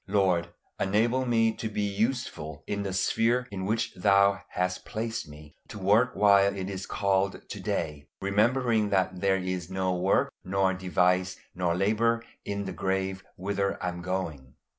Lord, enable me to be useful in the sphere in which Thou hast placed me, to work while it is called to day, remembering that there is no work nor device nor labor in the grave whither I am going.